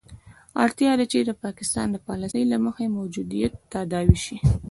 اړتیا ده چې د پاکستان د پالیسي له مخې موجودیت تداوي شي.